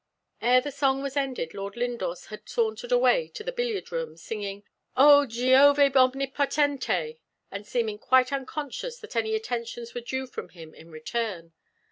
Ere the song was ended Lord Lindore had sauntered away to the billiard room, singing, "Oh! Jiove Omnipotente!" and seemingly quite unconscious that any attentions were due from him in return.